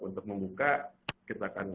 untuk membuka kita akan